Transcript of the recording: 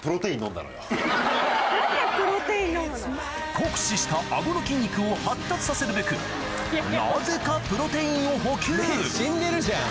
酷使した顎の筋肉を発達させるべくなぜかプロテインを補給目死んでるじゃん。